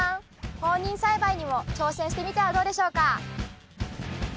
放任栽培にも挑戦してみてはどうでしょうか。